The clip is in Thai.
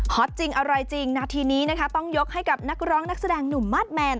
จริงอร่อยจริงนาทีนี้นะคะต้องยกให้กับนักร้องนักแสดงหนุ่มมาสแมน